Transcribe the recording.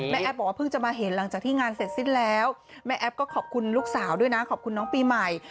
แอฟบอกว่าเพิ่งจะมาเห็นหลังจากที่งานเสร็จสิ้นแล้วแม่แอฟก็ขอบคุณลูกสาวด้วยนะขอบคุณน้องปีใหม่